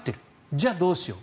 じゃあ、どうしよう。